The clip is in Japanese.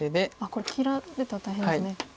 これ切られたら大変ですね。